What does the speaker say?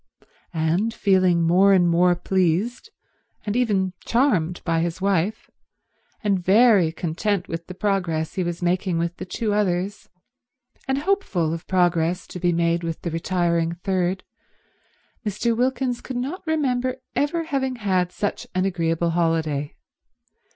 And feeling more and more pleased, and even charmed, by his wife, and very content with the progress he was making with the two others, and hopeful of progress to be made with the retiring third, Mr. Wilkins could not remember ever having had such an agreeable holiday.